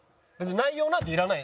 内容なんていらない。